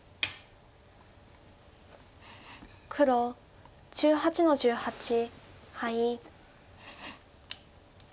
黒１８の十八ハイ。